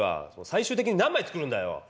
最終的に何枚作るんだよ。